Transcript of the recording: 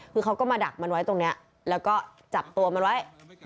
คือเขาก็มาดักมันไว้ตรงนี้แล้วก็จับตัวมันไว้